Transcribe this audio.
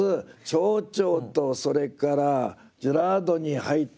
「蝶々」とそれから「ジェラート」に入ってる「舌」。